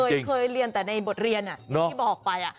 เคยเรียนแต่ในบทเรียนที่บอกไป